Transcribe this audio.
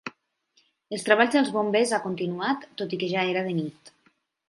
Els treballs dels bombers ha continuat tot i que ja era de nit.